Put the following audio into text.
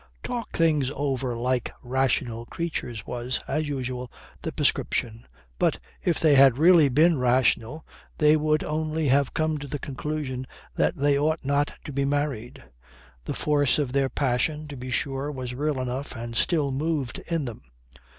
"Talk things over like rational creatures," was (as usual) the prescription. But if they had really been rational, they would only have come to the conclusion that they ought not to be married. The force of their passion, to be sure, was real enough and still moved in them.